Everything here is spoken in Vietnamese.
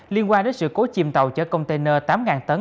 liên quan đến sự cố chìm tàu chở container tám tấn